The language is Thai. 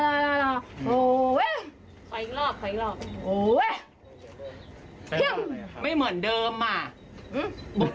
พระต่ายสวดมนต์